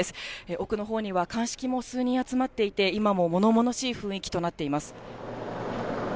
奥のほうには鑑識も数人集まっていて、今もものものしい雰囲気となっています。